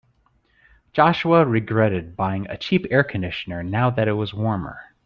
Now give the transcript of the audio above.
Joshua regretted buying a cheap air conditioner now that it was warmer.